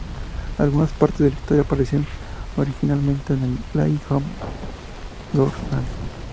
Algunas partes de la historia aparecieron originalmente en el "Ladies Home Journal".